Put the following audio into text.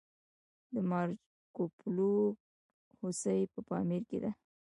د مارکوپولو هوسۍ په پامیر کې ده